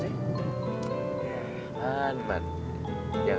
sampai jumpa lagi